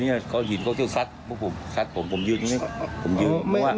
เนี้ยเขาหินเขาเที่ยวสัตว์เพราะผมสัตว์ผมผมยืดตรงนี้ผมยืด